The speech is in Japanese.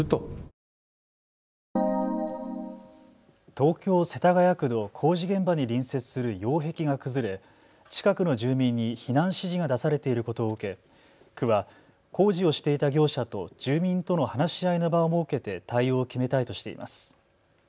東京世田谷区の工事現場に隣接する擁壁が崩れ近くの住民に避難指示が出されていることを受け区は工事をしていた業者と住民との話し合いの場を設けて対応を決めたいとしています。